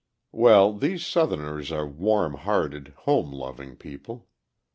Well, these Southerners are warm hearted, home loving people.